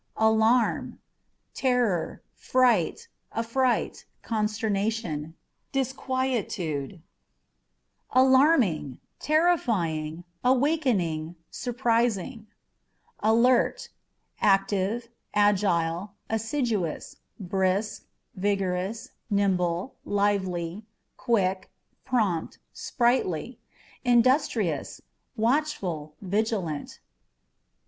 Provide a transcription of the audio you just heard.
Alarm â€" terror, fright, affright, consternation, disquietude. 10 ALAâ€" ALT. Alarming â€" terrifying, awakening, surprising. Alert â€" active, agile, assiduous, brisk, vigorous, nimble, lively, quick, prompt, sprightly ; industrious, watchful, vigilant.